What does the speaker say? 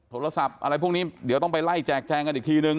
โทรศัพท์อะไรพวกนี้เดี๋ยวต้องไปไล่แจกแจงกันอีกทีนึง